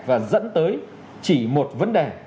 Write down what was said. và dẫn tới chỉ một vấn đề